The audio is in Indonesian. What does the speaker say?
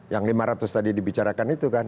yang lima ratus tadi dibicarakan itu kan